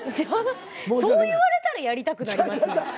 そう言われたらやりたくなりますね。